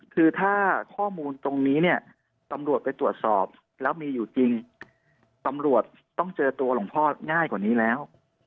คือถ้าข้อมูลตรงนี้เนี่ยตำรวจไปตรวจสอบแล้วมีอยู่จริงตำรวจต้องเจอตัวหลวงพ่อง่ายกว่านี้แล้ว